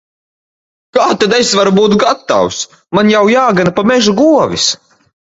Kā tad es varu būt gatavs! Man jau jāgana pa mežu govis.